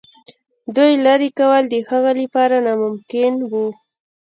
دوی لیري کول د هغه لپاره ناممکن وه.